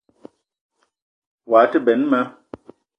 Woua te benn ma